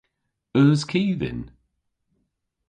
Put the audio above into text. Eus ki dhyn?